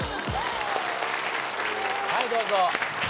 はいどうぞ。